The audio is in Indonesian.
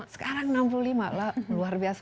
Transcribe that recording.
sekarang enam puluh lima lah luar biasa